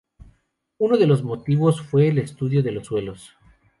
Uno de los motivos fue el estudio de los suelos.